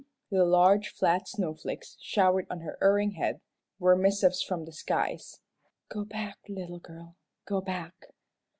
The large, flat snowflakes, showered on her erring head, were missives from the skies, "Go back, little girl, go back."